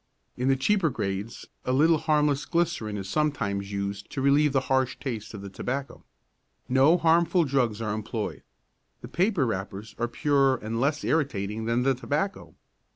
In the cheaper grades a little harmless glycerine is sometimes used to relieve the harsh taste of the tobacco. No harmful drugs are employed. The paper wrappers are purer and less irritating than the tobacco.